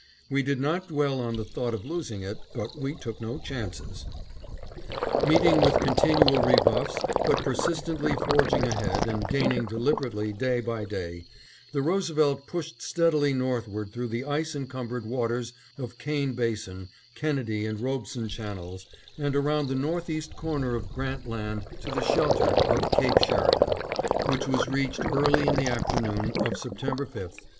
We did not dwell on the thought of losing it, but we took no chances. Meeting with continual rebuffs, but persistently forging ahead and gaining deliberately day by day, the Roosevelt pushed steadily northward through the ice encumbered waters of Kane Basin, Kennedy and Robeson Channels, and around the northeast corner of Grant Land to the shelter of Cape Sheridan, which was reached early in the afternoon of September 5, 1908.